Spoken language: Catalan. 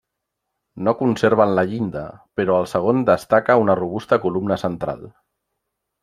No conserven la llinda, però al segon destaca una robusta columna central.